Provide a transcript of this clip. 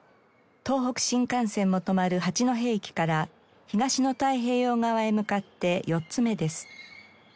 東北新幹線も止まる八戸駅から東の太平洋側へ向かって４つ目です。